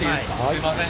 すいません。